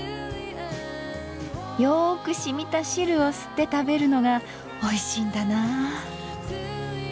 よくしみた汁を吸って食べるのがおいしいんだな。